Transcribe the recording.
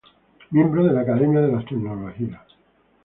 Miembro de la Academia de las tecnologías.